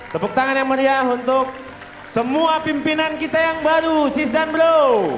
tepuk tangan yang meriah untuk semua pimpinan kita yang baru sis dan blow